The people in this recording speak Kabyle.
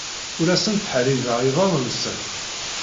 Ur asen-ttḥeṛṛibeɣ iḍan-nsen.